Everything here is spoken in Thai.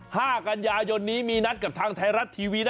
ห้ากันยายนนี้มีนัดกับทางไทยรัฐทีวีนะ